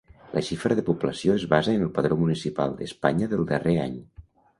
La xifra de població es basa en el padró municipal d'Espanya del darrer any.